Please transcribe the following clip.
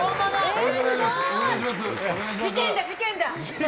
事件だ、事件だ！